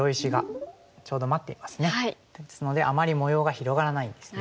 ですのであまり模様が広がらないんですね。